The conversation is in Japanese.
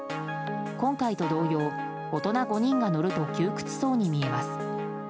今回と同様、大人５人が乗ると窮屈そうに見えます。